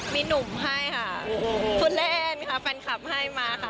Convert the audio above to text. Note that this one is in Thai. มีหนุ่มให้ค่ะคนละแอนค่ะแฟนคลับให้มาค่ะ